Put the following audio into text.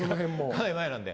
かなり前なので。